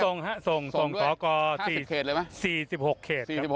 ส่งศอกร๔๐เคตเลยไหม